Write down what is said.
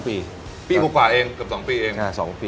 จริงจริง